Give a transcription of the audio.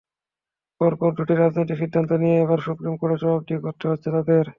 পরপর দুটি রাজনৈতিক সিদ্ধান্ত নিয়ে এবার সুপ্রিম কোর্টে জবাবদিহি করতে হচ্ছে তাদের।